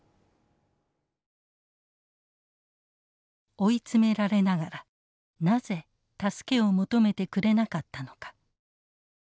追い詰められながらなぜ助けを求めてくれなかったのか。